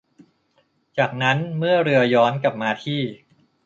จากนั้นเมื่อเรือย้อนกลับมาที่